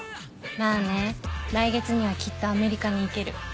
まぁね来月にはきっとアメリカに行ける。